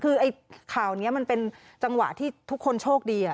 คือไอ้ข่าวนี้มันเป็นจังหวะที่ทุกคนโชคดี